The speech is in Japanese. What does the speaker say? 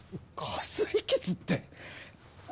かすり傷って！？